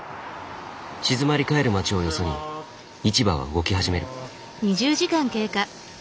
静まり返る街をよそに市場は動き始める。